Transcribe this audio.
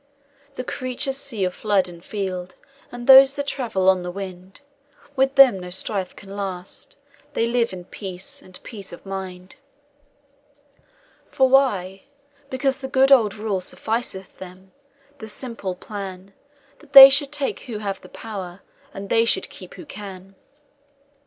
"The creatures see of flood and field, And those that travel on the wind With them no strife can last; they live In peace, and peace of mind. "For why? Because the good old rule Sufficeth them; the simple plan, That they should take who have the power, And they should keep who can.